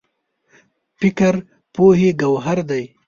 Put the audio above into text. فکر پوهې ګوهر دی.